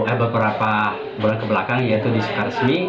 eh beberapa bulan kebelakang yaitu di soekarno rasmi